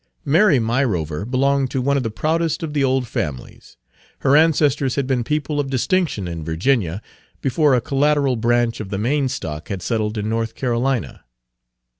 Mary Myrover belonged to one of the proudest of the old families. Her ancestors had been people of distinction in Virginia before a collateral branch of the main stock had settled in North Carolina.